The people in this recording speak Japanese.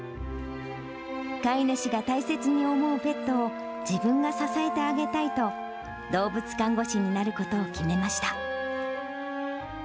飼い主が大切に思うペットを、自分が支えてあげたいと、動物看護師になることを決めました。